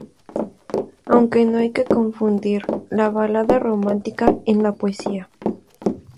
Aunque no hay que confundir la balada romántica en la poesía.